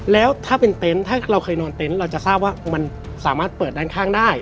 แล้วถ้าเป็นเต็นต์ถ้าเราเคยนอนเต็นต์เราจะทราบว่ามันสามารถเปิดด้านข้างได้